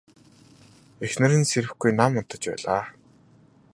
Эхнэр нь сэрэхгүй нам унтаж байлаа.